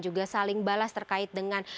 juga saling balas terkait dengan